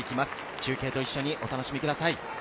中継と一緒にお楽しみください。